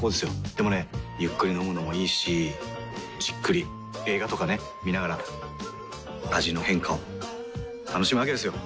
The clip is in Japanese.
でもねゆっくり飲むのもいいしじっくり映画とかね観ながら味の変化を楽しむわけですよ。